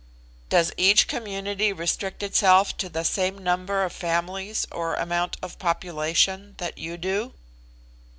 "Does each community restrict itself to the same number of families or amount of population that you do?"